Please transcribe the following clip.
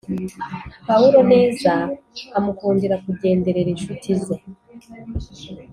Pawulo neza amukundira kugenderera incuti ze